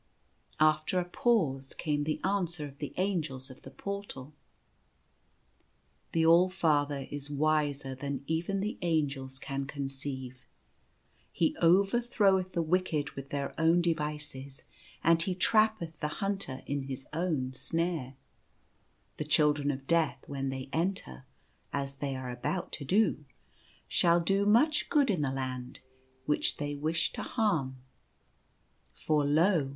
After a pause came the answer of the Angels of the Portal :" The All Father is wiser than even the Angels can con ceive. He overthroweth the wicked with their own de vices, and he trappeth the hunter in his own snare. The Children of Death when they enter — as they are about to do — shall do much good in the Land, which they wish to harm. For lo